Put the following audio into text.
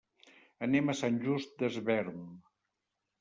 Anem a Sant Just Desvern.